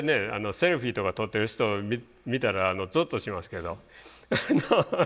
セルフィーとか撮ってる人を見たらゾッとしますけど。